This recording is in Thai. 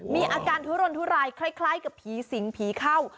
มีอาการทุรนทุรายคล้ายกับผีสิงผีเข้า